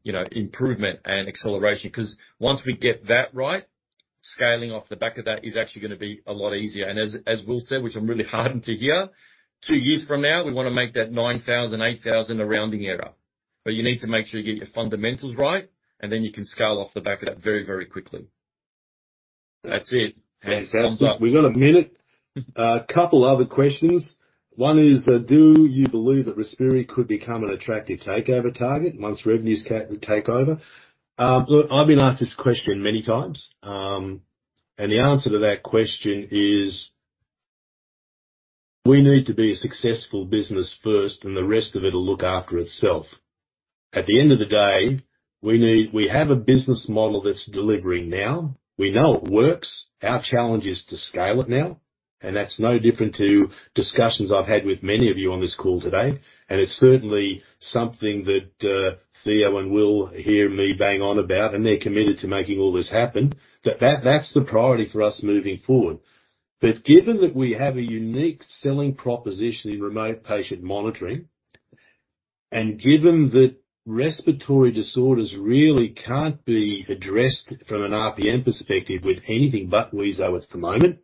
you know, improvement and acceleration, because once we get that right, scaling off the back of that is actually going to be a lot easier. As Will said, which I'm really heartened to hear, two years from now, we want to make that 9,000, 8,000, a rounding error. You need to make sure you get your fundamentals right, and then you can scale off the back of that very, very quickly. That's it. Fantastic. We've got a minute. A couple other questions. One is, "Do you believe that Respiri could become an attractive takeover target once revenues take over?" Look, I've been asked this question many times, and the answer to that question is, we need to be a successful business first, and the rest of it will look after itself. At the end of the day, we have a business model that's delivering now. We know it works. Our challenge is to scale it now, and that's no different to discussions I've had with many of you on this call today and it's certainly something that Theo and Will hear me bang on about, and they're committed to making all this happen, but that's the priority for us moving forward. Given that we have a unique selling proposition in remote patient monitoring, and given that respiratory disorders really can't be addressed from an RPM perspective with anything but wheezo at the moment,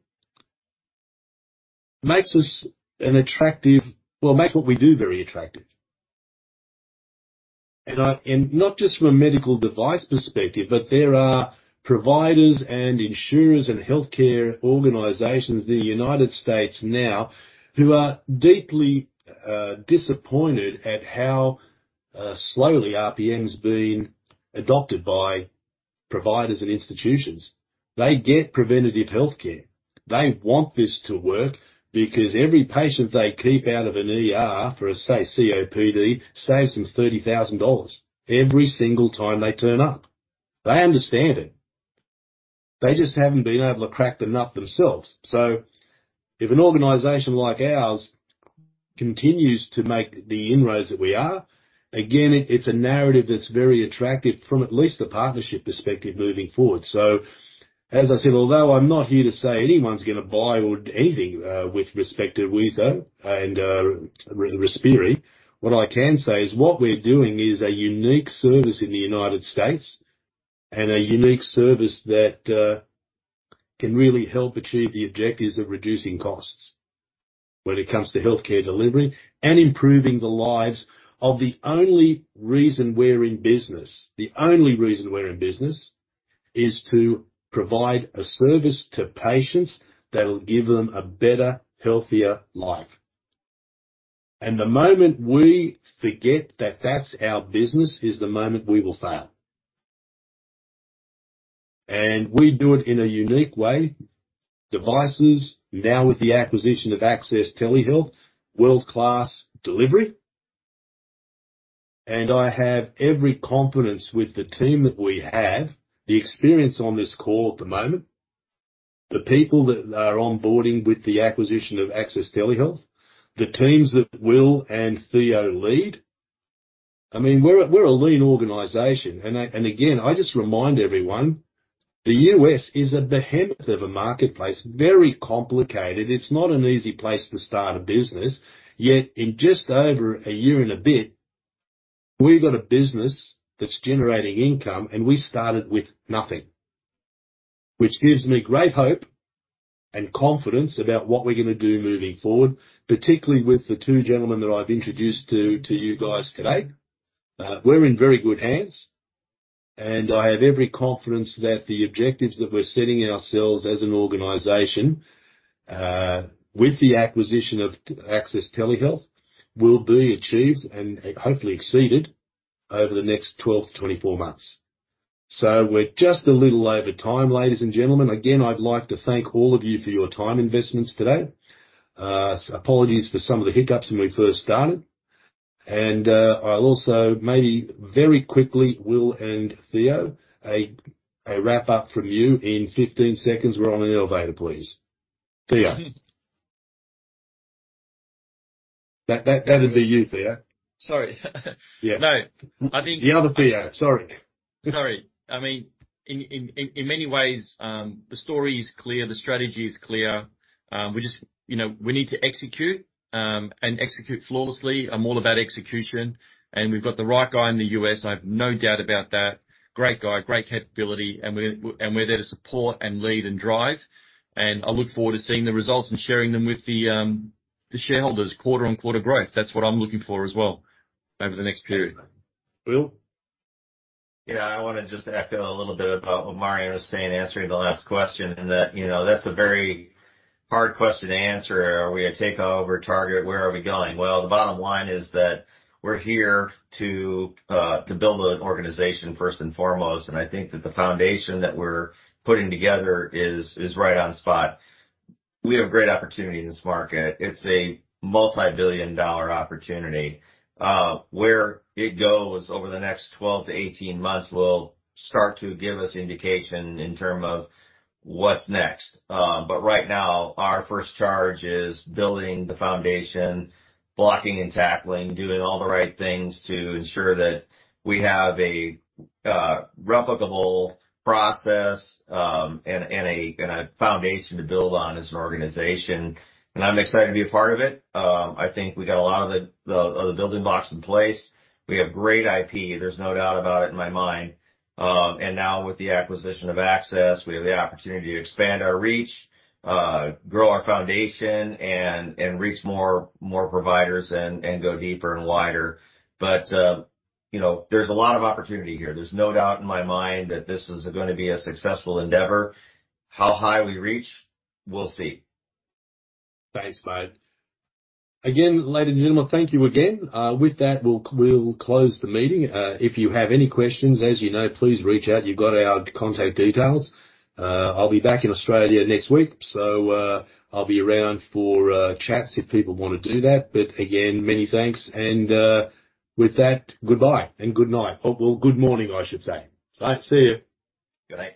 makes what we do very attractive. Not just from a medical device perspective, but there are providers and insurers and healthcare organizations in the United States now, who are deeply disappointed at how slowly RPM has been adopted by providers and institutions. They get preventative healthcare. They want this to work because every patient they keep out of an ER for say, COPD saves them $30,000 every single time they turn up. They understand it. They just haven't been able to crack the nut themselves. If an organization like ours continues to make the inroads that we are, again, it's a narrative that's very attractive from at least the partnership perspective, moving forward. As I said, although I'm not here to say anyone's going to buy or anything, with respect to wheezo and Respiri, what I can say is what we're doing is a unique service in the United States, and a unique service that can really help achieve the objectives of reducing costs when it comes to healthcare delivery and improving the lives of the only reason we're in business. The only reason we're in business is to provide a service to patients that will give them a better, healthier life. The moment we forget that that's our business, is the moment we will fail. We do it in a unique way, devices, now with the acquisition of Access Telehealth, world-class delivery. I have every confidence with the team that we have, the experience on this call at the moment, the people that are onboarding with the acquisition of Access Telehealth, the teams that Will and Theo lead. I mean, we're a lean organization. Again, I just remind everyone, the U.S. is at the hem of a marketplace, very complicated. It's not an easy place to start a business. Yet in just over a year and a bit, we've got a business that's generating income and we started with nothing. Which gives me great hope and confidence about what we're going to do moving forward, particularly with the two gentlemen that I've introduced to you guys today. We're in very good hands, and I have every confidence that the objectives that we're setting ourselves as an organization, with the acquisition of Access Telehealth, will be achieved and hopefully exceeded over the next 12-24 months. We're just a little over time, ladies and gentlemen. Again, I'd like to thank all of you for your time investments today. Apologies for some of the hiccups when we first started. Also maybe very quickly, Will and Theo, a wrap up from you in 15 seconds. We're on an elevator, please. Theo? That would be you, Theo. Sorry. Yeah. No. The other Theo, sorry. Sorry. I mean, in many ways, the story is clear, the strategy is clear. You know, we need to execute, and execute flawlessly. I'm all about execution, and we've got the right guy in the U.S. I have no doubt about that. Great guy, great capability, and we're there to support and lead and drive. I look forward to seeing the results and sharing them with the shareholders. Quarter-on-quarter growth, that's what I'm looking for as well over the next period. Will? Yeah. I want to just echo a little bit about what Marjan was saying, answering the last question, and you know, that's a very hard question to answer. Are we a takeover target? Where are we going? Well, the bottom line is that we're here to build an organization first and foremost. I think that the foundation that we're putting together is right on spot. We have great opportunity in this market. It's a multibillion-dollar opportunity. Where it goes over the next 12-18 months will start to give us indication in term of what's next. Right now, our first charge is building the foundation, blocking and tackling, doing all the right things to ensure that we have a replicable process, and a foundation to build on as an organization and I'm excited to be a part of it. I think we got a lot of the building blocks in place. We have great IP, there's no doubt about it in my mind. Now with the acquisition of Access, we have the opportunity to expand our reach, grow our foundation, and reach more providers and go deeper and wider, you know, there's a lot of opportunity here. There's no doubt in my mind that this is going to be a successful endeavor. How high we reach, we'll see. Thanks, mate. Again, ladies and gentlemen, thank you again. With that, we'll close the meeting. If you have any questions, as you know, please reach out. You've got our contact details. I'll be back in Australia next week, so I'll be around for chats if people want to do that. Again, many thanks. With that, goodbye and good night. Oh, well, good morning, I should say. All right, see you. Good night.